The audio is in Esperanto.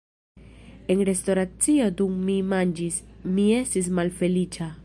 En restoracio dum mi manĝis, mi estis malfeliĉa.